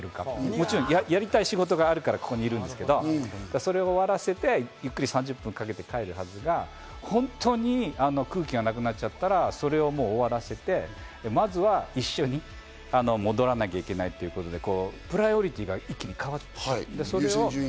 もちろんやりたい仕事があるからここにいるんですけど、それを終わらせて、ゆっくり３０分かけて帰るかとか、本当に空気がなくなっちゃったら、それはもう終わらせて、まずは一緒に戻らなきゃいけないということでプライオリティーが一気に変わる。